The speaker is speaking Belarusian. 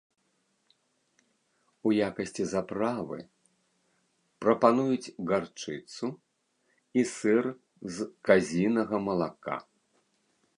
У якасці заправы прапануюць гарчыцу і сыр з казінага малака.